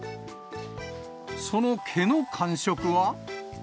その毛の感触は？